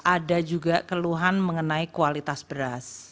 ada juga keluhan mengenai kualitas beras